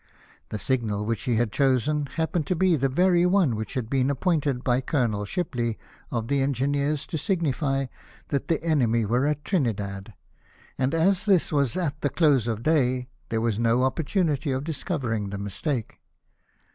The signal which he had chosen happened to be the very one which had been appointed by Colonel Shipley, of the engineers, to signify that the enemy were at Trinidad ; and as this was at the close of day there was no opportunity of T 290 LIFE OF NELSON. discovering the mistake.